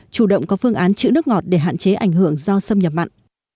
chủ động có phương án chữ nước ngọt để hạn chế ảnh hưởng do xâm nhập mặn